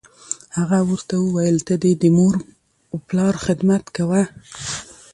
هغه ورته وویل: ته دې د مور و پلار خدمت کوه.